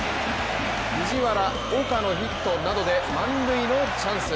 藤原、岡のヒットなどで満塁のチャンス。